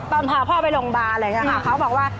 พอพ่อไปโรงพยาบาลเลยค่ะเขาบอกว่า